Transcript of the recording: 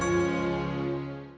ya ini masih banyak